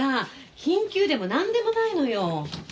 緊急でもなんでもないのよ。